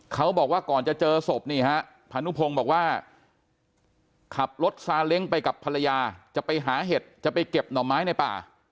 เขาบอกว่าก่อนจะเจอศพนี่ฮะพานุพงศ์บอกว่าขับรถซาเล้งไปกับภรรยาจะไปหาเห็ดจะไปเก็บหน่อไม้ในป่า